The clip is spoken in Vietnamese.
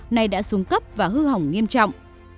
này đã xuống cấp và hư hỏng nghiêm trọng